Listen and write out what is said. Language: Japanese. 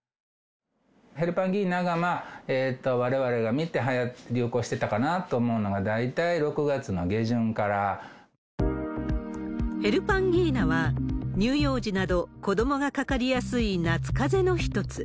ヘルパンギーナがわれわれが診て流行してたかなと思うのが大ヘルパンギーナは、乳幼児など、子どもがかかりやすい夏かぜの一つ。